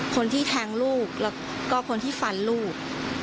คนที่แทงลูกแล้วก็คนที่ฟันลูก